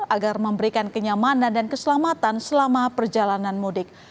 agar memberikan kenyamanan dan keselamatan selama perjalanan mudik